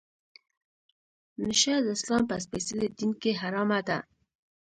نشه د اسلام په سپیڅلي دین کې حرامه ده.